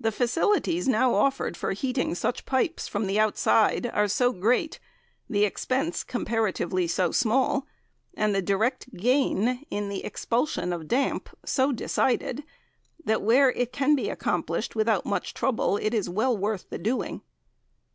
The facilities now offered for heating such pipes from the outside are so great, the expense comparatively so small, and the direct gain in the expulsion of damp so decided, that where it can be accomplished without much trouble it is well worth the doing.